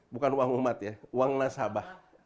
bukan uang umat ya uang nasabah